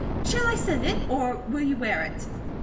Shall I send it, or will you wear it?"